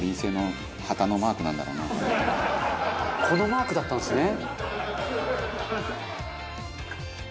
このマークだったんですね。